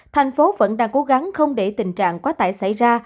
thành phố vẫn đang cố gắng không để tình trạng quá tải xảy ra